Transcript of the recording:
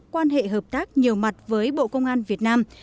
quan hệ hợp tác nhiều mặt với bộ công an việt nam